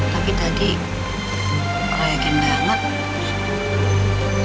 tapi tadi orang yang gendang banget